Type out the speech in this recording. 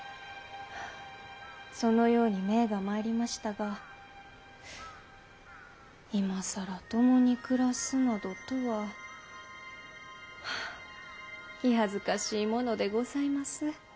そのように命が参りましたが今更共に暮らすなどとは気恥ずかしいものでございます。